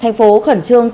thành phố khẩn trương